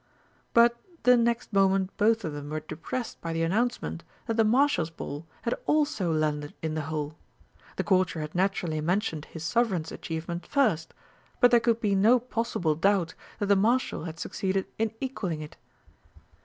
But the next moment both of them were depressed by the announcement that the Marshal's ball had also landed in the hole. The Courtier had naturally mentioned his Sovereign's achievement first, but there could be no possible doubt that the Marshal had succeeded in equalling it.